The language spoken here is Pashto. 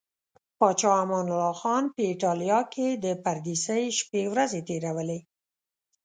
پاچا امان الله خان په ایټالیا کې د پردیسۍ شپې ورځې تیرولې.